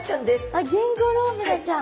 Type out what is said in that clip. あっゲンゴロウブナちゃん。